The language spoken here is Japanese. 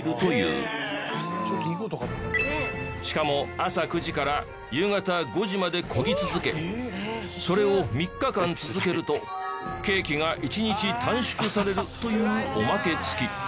しかも朝９時から夕方５時までこぎ続けそれを３日間続けると刑期が１日短縮されるというおまけ付き。